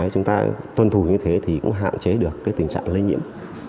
chúng ta tuân thủ như thế thì cũng hạn chế được tình trạng lây nhiễm